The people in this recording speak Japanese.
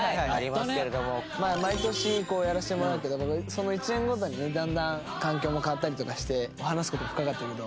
毎年やらせてもらうけどその１年ごとにねだんだん環境も変わったりとかして話す事深かったけど。